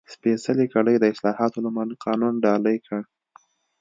سپېڅلې کړۍ د اصلاحاتو لومړنی قانون ډالۍ کړ.